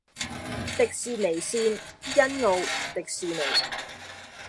迪士尼綫：欣澳，迪士尼